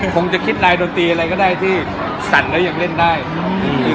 คงจะคิดลายดนตรีอะไรก็ได้ที่สั่นแล้วยังเล่นได้อืม